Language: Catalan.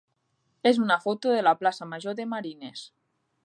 és una foto de la plaça major de Marines.